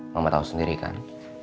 mama tau sendiri kan